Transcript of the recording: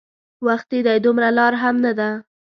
وختي دی دومره لار هم نه ده.